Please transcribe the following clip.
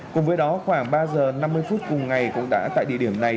cùng với đó khoảng ba giờ năm mươi phút cùng ngày cũng đã tại địa điểm này